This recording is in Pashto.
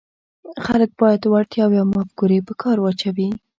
خلک باید وړتیاوې او مفکورې په کار واچوي.